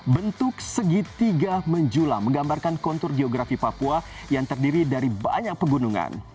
bentuk segitiga menjulang menggambarkan kontur geografi papua yang terdiri dari banyak pegunungan